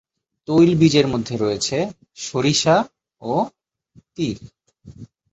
তৈল বীজের মধ্যে রয়েছে সরিষা ও তিল।